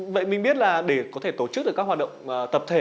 vậy mình biết là để có thể tổ chức được các hoạt động tập thể